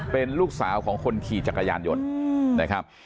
เป็นลูกสาวของคนขี่จักรยานยนต์นะครับ